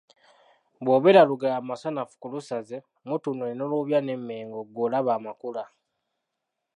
"Bw’obeera Lugala Masanafu ku Lusaze, Mutundwe ne Lubya n’eMengo ggwe olaba amakula."